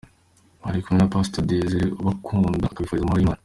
Mwari kumwe na Pastor Desire ubakunda akabifuriza amahoro y’Imana.